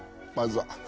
まずは。